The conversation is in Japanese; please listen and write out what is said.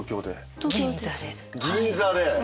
銀座で？